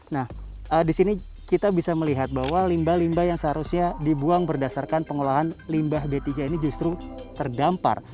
nah di sini kita bisa melihat bahwa limbah limbah yang seharusnya dibuang berdasarkan pengolahan limbah b tiga ini justru terdampar